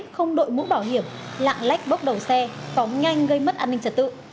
không đội mũ bảo hiểm lạng lách bốc đầu xe phóng nhanh gây mất an ninh trật tự